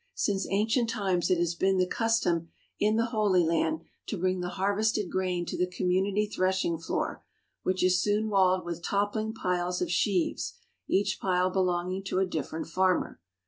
Since ancient times it has been the custom in the Holy Land to bring the harvested grain to the commun ity threshing floor, which is soon walled with toppling piles of sheaves, each pile belonging to a different farmer.